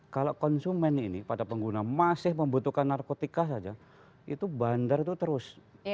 kalau konsumen ini pada pengguna masih membutuhkan narkotika saja itu bandar itu terus